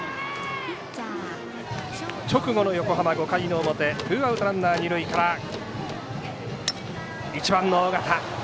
直後の横浜、５回の表ツーアウト、ランナー、二塁から１番の緒方。